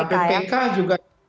sampai pk juga